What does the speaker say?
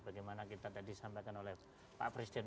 bagaimana kita tadi sampaikan oleh pak presiden